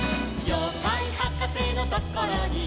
「ようかいはかせのところに」